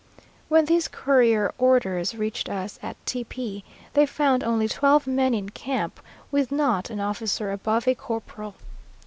When these courier orders reached us at Tepee, they found only twelve men in camp, with not an officer above a corporal.